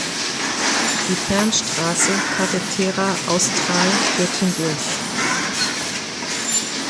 Die Fernstraße Carretera Austral führt hindurch.